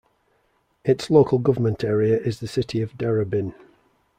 Its local government area is the City of Darebin.